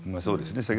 そうですね。